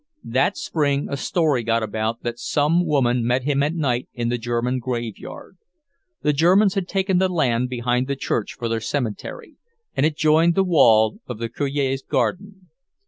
That spring a story got about that some woman met him at night in the German graveyard. The Germans had taken the land behind the church for their cemetery, and it joined the wall of the Cure's garden.